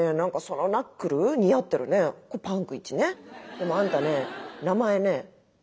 でもあんたね名前ね「まさし」ね。